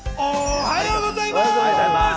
おはようございます！